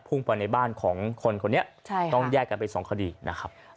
พุ่งไปในบ้านของคนคนนี้ต้องแยกกันไปสองคดีนะครับ